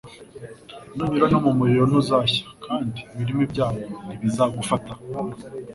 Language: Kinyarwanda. nunyura no mu muriro ntuzashya, kandi ibirimi byawo ntibizagufata.